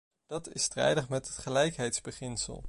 Dat is strijdig met het gelijkheidsbeginsel.